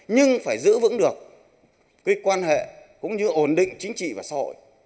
nhưng phải giữ vững được cái quan hệ cũng như ổn định chính trị và xã hội